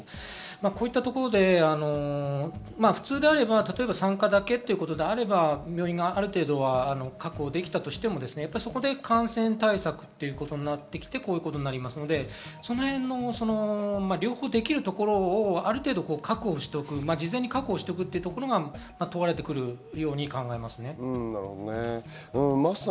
こういったところで普通であれば参加だけっていうことであれば、病院がある程度は確保できたとしても、そこで感染対策っていうことになってきて、こういうことなりますので、両方できるところをある程度、事前に確保しておくところが問われていくように考えています。